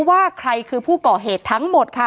ว่าใครคือผู้ก่อเหตุทั้งหมดค่ะ